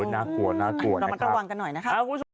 น่ากลัวน่ากลัวนะครับนะครับคุณสุด